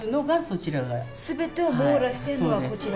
全てを網羅してるのがこちら。